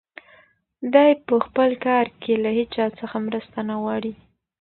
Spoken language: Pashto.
دی په خپل کار کې له هیچا څخه مرسته نه غواړي.